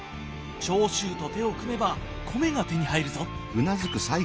長州と手を組めば米が手に入るぞ。